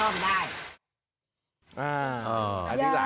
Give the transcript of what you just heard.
แม้ว่าเอาไปคลอมได้